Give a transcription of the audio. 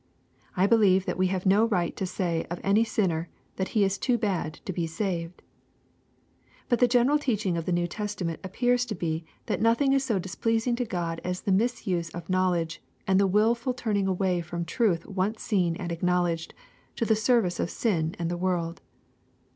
I believe that we have no right to say of any sinner, that he is too bad to be saved. But the general teaching of the New Testament appears to be that nothing is so displeasing to God as the misuse of knowl edge, and the wilfiil turning away from truth once seen and acknowledged, to the service of sin and the world.